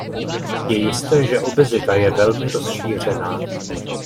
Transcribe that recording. Je jisté, že obezita je velmi rozšířená.